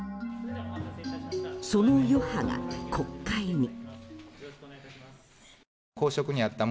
その余波が、国会に。